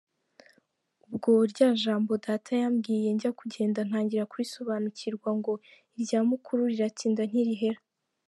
Ubwo rya jambo Data yambwiye njya kugenda ntangira kurisobanukirwa, ngo irya mukuru riratinda ntirihera.